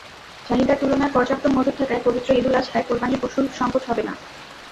চাহিদার তুলনায় পর্যাপ্ত মজুত থাকায় পবিত্র ঈদুল আজহায় কোরবানির পশুর সংকট হবে না।